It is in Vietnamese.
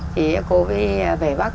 thì cô về bắc